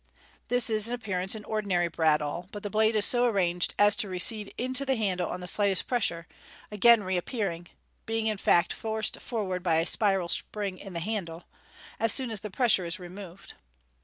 This is in appearance an ordinary bradawl, but the blade is so arranged as to recede into the handle on the slightest pressure, again reappearing (being, in fact, forced for ward by a spiral spring in the handle) as soon as the pressure is removed.